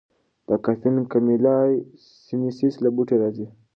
دا کافین د کمیلیا سینینسیس له بوټي راځي.